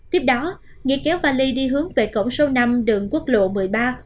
tiếp đó nghĩa kéo vali đi hướng về cổng số năm đường quốc lộ một mươi ba